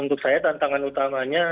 untuk saya tantangan utamanya